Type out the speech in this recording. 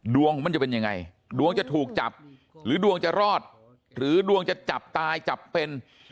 ดวงของมันจะเป็นยังไงดวงจะถูกจับหรือดวงจะรอดหรือดวงจะจับตายจับเป็น